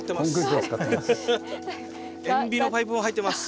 塩ビのパイプも入ってます。